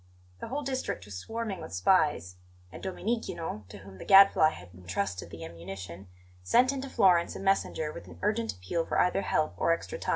The whole district was swarming with spies; and Domenichino, to whom the Gadfly had intrusted the ammunition, sent into Florence a messenger with an urgent appeal for either help or extra time.